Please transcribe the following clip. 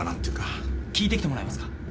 聞いてきてもらえますか？